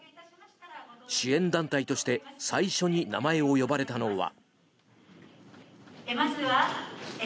支援団体として最初に名前を呼ばれたのは。